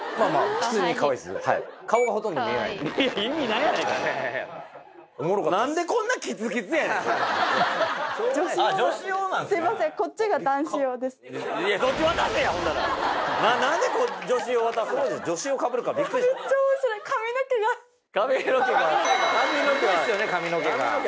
ひどいっすよね髪の毛が。